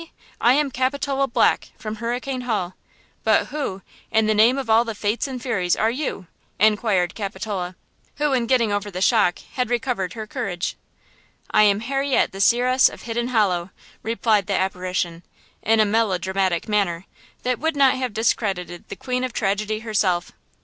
I am Capitola Black, from Hurricane Hall; but who, in the name of all the fates and furies, are you?" inquired Capitola, who, in getting over the shock, had recovered her courage. "I am Harriet the Seeress of Hidden Hollow!" replied the apparition, in a melodramatic manner that would not have discredited the queen of tragedy herself.